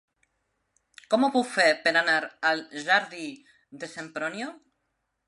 Com ho puc fer per anar al jardí de Sempronio?